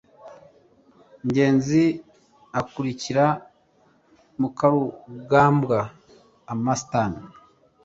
ngenzi akurikira mukarugambwa (amastan